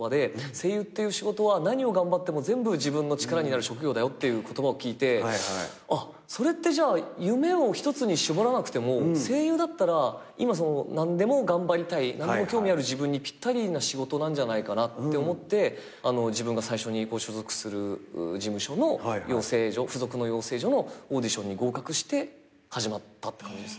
「声優っていう仕事は何を頑張っても全部自分の力になる職業だよ」っていう言葉を聞いてそれってじゃあ夢を１つに絞らなくても声優だったら今何でも頑張りたい何でも興味ある自分にぴったりな仕事なんじゃないかなって思って自分が最初に所属する事務所の付属の養成所のオーディションに合格して始まったって感じですね。